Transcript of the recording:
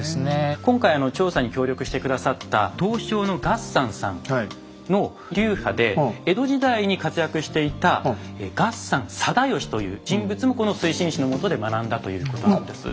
今回調査に協力して下さった刀匠の月山さんの流派で江戸時代に活躍していた月山貞吉という人物もこの水心子の下で学んだということなんです。